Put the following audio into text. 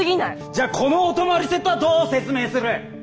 じゃあこのお泊まりセットはどう説明する！